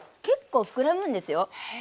結構膨らむんですよ。